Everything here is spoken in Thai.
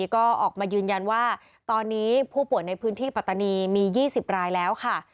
ก็ออกมายืนยันว่าตอนนี้ผู้ป่วยในพื้นที่ปัตตานีมี๒๐รายแล้วค่ะ